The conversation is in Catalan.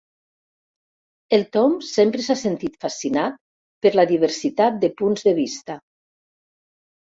El Tom sempre s'ha sentit fascinat per la diversitat de punts de vista.